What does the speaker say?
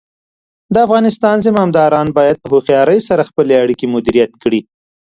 د افغانستان زمامداران باید په هوښیارۍ سره خپلې اړیکې مدیریت کړي.